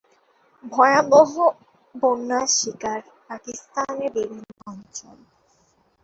ভয়াবহ বন্যার শিকার পাকিস্তানের বিভিন্ন অঞ্চল।